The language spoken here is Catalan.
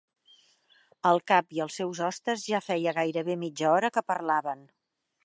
El cap i els seus hostes ja feia gairebé mitja hora que parlaven.